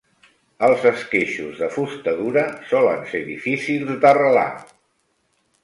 Els esqueixos de fusta dura solen ser difícils d'arrelar.